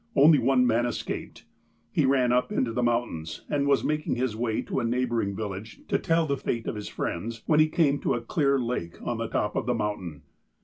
Only one man escaped. He ran up into the mountains, and was making his way to a neighbouring village, to tell of the fate of his friends, when he came to a clear lake on the top of the mountain.